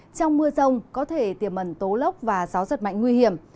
trong mưa rông có thể tiềm mẩn tố lốc và gió giật mạnh nguy hiểm